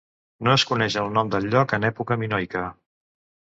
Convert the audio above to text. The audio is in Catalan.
No es coneix el nom del lloc en època minoica.